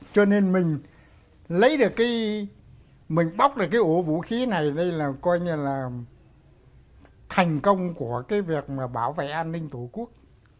cho nên mình lấy được cái mình bóc được cái ổ vũ khí này đây là coi như là thành công của cái việc mà bảo vệ an ninh tổ quốc